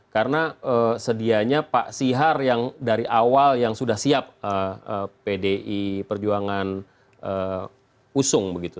karena sedianya pak sihar yang dari awal yang sudah siap pdi perjuangan usung begitu